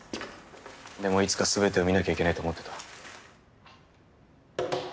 でもいつか全てを見なきゃいけないと思ってた。